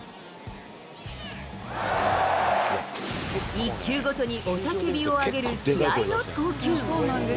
一球ごとに雄たけびを上げる気合いの投球。